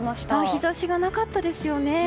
日差しがなかったですよね。